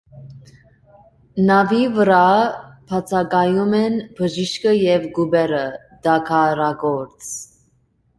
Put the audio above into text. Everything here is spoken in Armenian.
Նավի վրա բացակայում են բժիշկը և կուպերը (տակառագործ)։